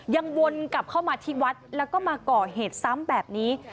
วนกลับเข้ามาที่วัดแล้วก็มาก่อเหตุซ้ำแบบนี้